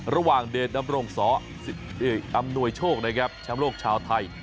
ระหว่างเดชน์อำนวยโชคนะครับชำโลกชาวไทย